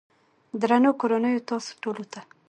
درنو کورنيو تاسو ټولو ته